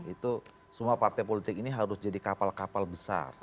itu semua partai politik ini harus jadi kapal kapal besar